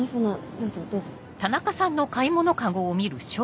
どうぞどうぞ。